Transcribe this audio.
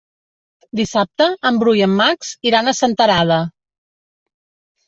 Dissabte en Bru i en Max iran a Senterada.